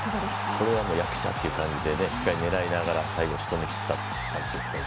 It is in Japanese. これは役者って感じでしっかり狙いながらしっかりしとめきったサンチェス選手